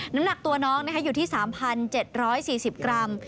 น้ำหนักตัวน้องอยู่ที่๓๗๔๐กรัม